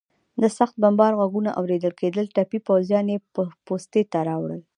د سخت بمبار غږونه اورېدل کېدل، ټپي پوځیان یې پوستې ته راوړل.